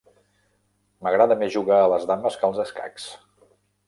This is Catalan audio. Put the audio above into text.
M'agrada més jugar a les dames que als escacs